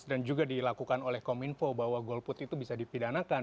dan juga dilakukan oleh kominfo bahwa golput itu bisa dipidanakan